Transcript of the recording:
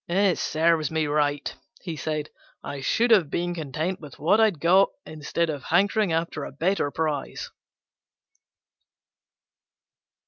"It serves me right," he said; "I should have been content with what I had got, instead of hankering after a better prize."